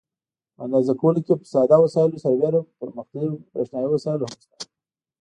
په اندازه کولو کې پر ساده وسایلو سربیره پرمختللي برېښنایي وسایل هم شته.